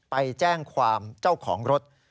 ไปแจ้งความเจ้าของรถ